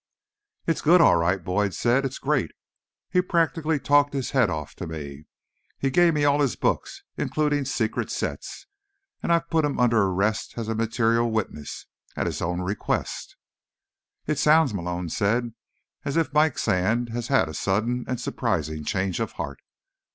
"It's good, all right," Boyd said. "It's great. He practically talked his head off to me. Gave me all his books, including secret sets. And I've put him under arrest as a material witness—at his own request." "It sounds," Malone said, "as if Mike Sand has had a sudden and surprising change of heart."